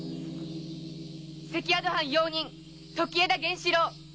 関宿藩用人時枝源史郎！